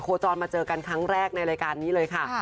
จรมาเจอกันครั้งแรกในรายการนี้เลยค่ะ